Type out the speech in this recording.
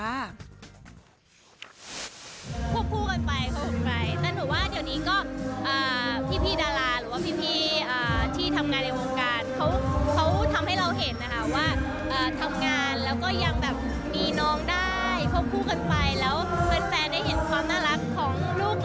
พวกคู่กันไปแต่หนูว่าเดี๋ยวนี้ก็พี่ดาราหรือว่าพี่ที่ทำงานในวงการ